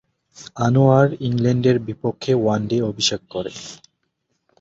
আনোয়ার ইংল্যান্ডের বিপক্ষে ওয়ানডে অভিষেক করেন।